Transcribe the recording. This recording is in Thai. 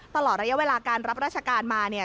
ตลอดระยะเวลาการรับราชการมาเนี่ย